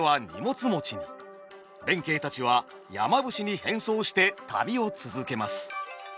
弁慶たちは山伏に変装して旅を続けます。